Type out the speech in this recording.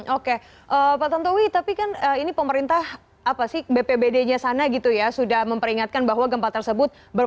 oke pak tantowi tapi kan ini pemerintah bpbd nya sana sudah memperingatkan bahwa gempa tersebut berpotensi